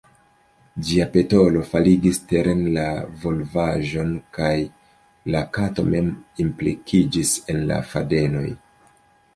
Ĝia petolo faligis teren la volvaĵon kaj la kato mem implikiĝis en la fadenoj.